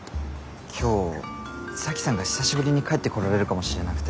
今日沙樹さんが久しぶりに帰ってこられるかもしれなくて。